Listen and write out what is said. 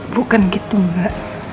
bukan gitu mbak